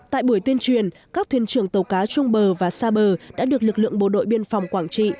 tại buổi tuyên truyền các thuyền trưởng tàu cá trung bờ và xa bờ đã được lực lượng bộ đội biên phòng quảng trị